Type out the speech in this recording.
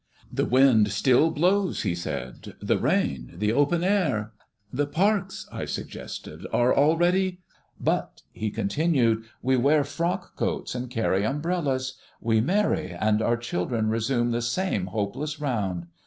"The wind still blows," he said, "the rain, the open air " "The parks," I suggested, "are already "" but," he continued, "we wear frock coats and carry umbrellas. We marry, and our children resume the same hopeless round.